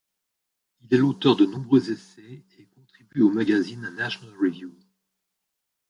Il est l'auteur de nombreux essais et contribue au magazine National Review.